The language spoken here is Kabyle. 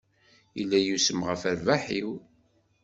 Yella yusem ɣef rrbeḥ-iw.